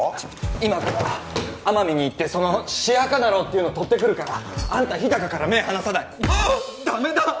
今から奄美に行ってそのシヤカナローっていうのとってくるからあんた日高から目離さないあっダメだ！